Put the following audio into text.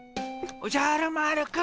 おじゃる丸くん。